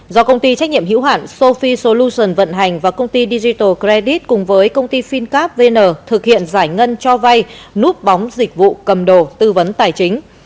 do công ty trách nhiệm hữu hạn sofi solution vận hành và công ty digital credit cùng với công ty fincap vn thực hiện giải ngân cho vay núp bóng dịch vụ cầm đồ tư vấn tài chính